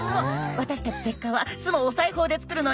私たちセッカは巣もお裁縫で作るのよ。